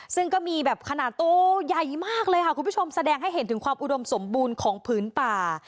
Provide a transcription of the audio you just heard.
ซึ่งก็มีแบบขนาดตัวใหญ่มากเลยค่ะคุณผู้ชมแสดงให้เห็นถึงความอุดมสมบูรณ์ของพื้นป่า